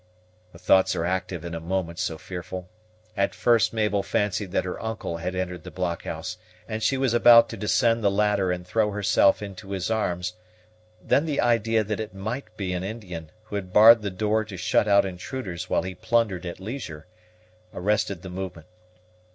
The thoughts are active in a moment so fearful. At first Mabel fancied that her uncle had entered the blockhouse, and she was about to descend the ladder and throw herself into his arms; then the idea that it might be an Indian, who had barred the door to shut out intruders while he plundered at leisure, arrested the movement.